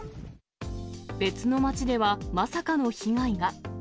別の街ではまさかの被害が。